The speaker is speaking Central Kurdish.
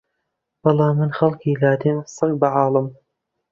بەڵام من خەڵکی لادێم سەگ بەحاڵم